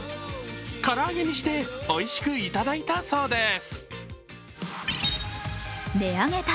唐揚げにしておいしくいただいたそうです。